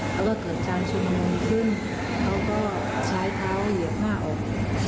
แล้วก็เกิดการชุมนุมขึ้นเขาก็ใช้เท้าเหยียบหน้าออก